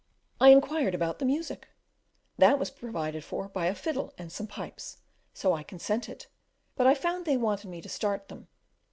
I inquired about the music? that was provided for by a fiddle and some pipes; so I consented, but I found they wanted me to start them.